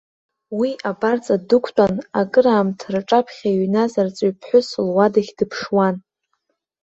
Уи абарҵа дықәтәан акыраамҭа рҿаԥхьа иҩназ арҵаҩԥҳәыс луадахь дыԥшуан.